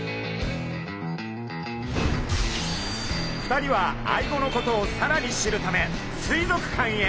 ２人はアイゴのことをさらに知るため水族館へ。